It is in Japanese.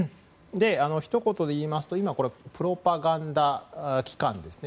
ひと言で言いますとプロパガンダ機関ですね。